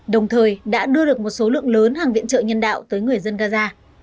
đồng thời đã đưa được một số lượng lớn hàng viện trợ nhân đạo tới người dân gaza